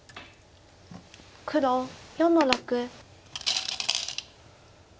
黒４の六。